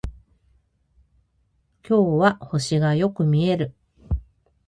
今日は星がよく見える